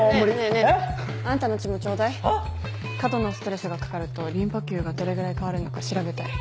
過度のストレスがかかるとリンパ球がどれぐらい変わるのか調べたい。